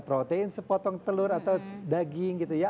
protein sepotong telur atau daging gitu ya